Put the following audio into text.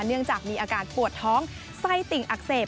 เนื่องจากมีอาการปวดท้องไส้ติ่งอักเสบ